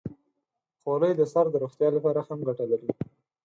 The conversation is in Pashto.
خولۍ د سر د روغتیا لپاره هم ګټه لري.